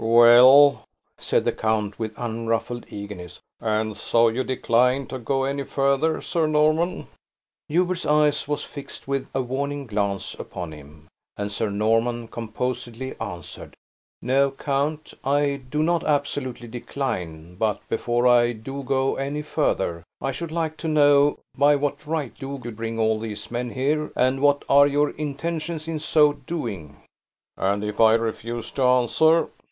"Well," said the count, with unruffled eagerness, "and so you decline to go any further Sir Norman?" Hubert's eye was fixed with a warning glance upon him, and Sir Norman composedly answered "No, count; I do not absolutely decline; but before I do go any further, I should like to know by what right do you bring all these men here, and what are your intentions in so doing." "And if I refuse to answer?"